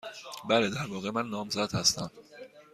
بله. در واقع، من نامزد هستم.